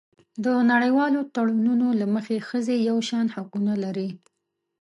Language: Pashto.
د نړیوالو تړونونو له مخې ښځې یو شان حقونه لري.